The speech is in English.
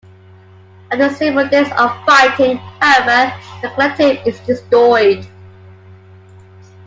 After several days of fighting, however, the Collective is destroyed.